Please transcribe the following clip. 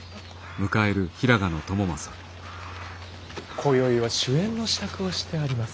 今宵は酒宴の支度をしてあります。